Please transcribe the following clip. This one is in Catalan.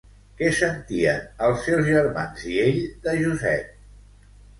Què sentien els seus germans i ell de Josep?